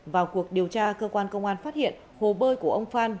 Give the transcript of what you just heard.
vào cuộc điều tra cơ quan công an phát hiện hồ bơi của ông phan